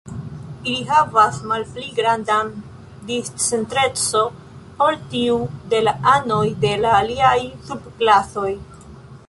Ili havas malpli grandan discentreco ol tiu de la anoj de la aliaj sub-klasoj.